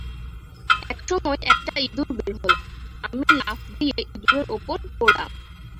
একসময় একটা ইঁদুর বের হল-আমি লাফ দিয়ে ইঁদুরের ওপর পড়লাম।